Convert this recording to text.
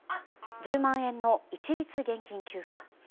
１０万円の一律現金給付。